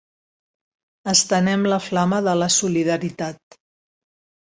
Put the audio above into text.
Estenem la flama de la solidaritat.